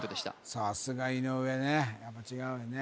さすが井上ねやっぱ違うよね